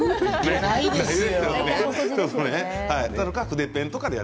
筆ペンとかでね。